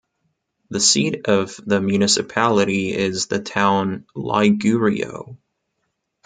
The seat of the municipality is the town Lygourio.